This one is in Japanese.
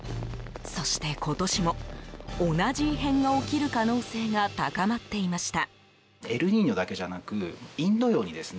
そして今年も、同じ異変が起きる可能性が高まっていました。